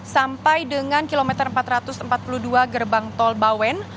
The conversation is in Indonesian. sampai dengan kilometer empat ratus empat puluh dua gerbang tol bawen